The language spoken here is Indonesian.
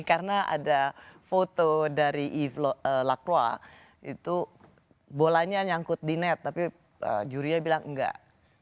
karena ada foto dari yves lacroix itu bolanya nyangkut di net tapi jurinya bilang enggak